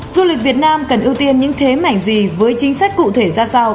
du lịch việt nam cần ưu tiên những thế mảnh gì với chính sách cụ thể ra sao